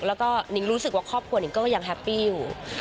แล้วก็นิงรู้สึกว่าครอบครัวนิ่งก็ยังแฮปปี้อยู่